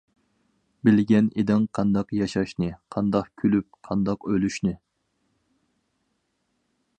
بىلگەن ئىدىڭ قانداق ياشاشنى، قانداق كۈلۈپ، قانداق ئۆلۈشنى.